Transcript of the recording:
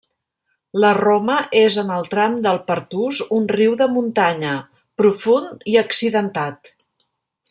La Roma és en el tram del Pertús un riu de muntanya, profund i accidentat.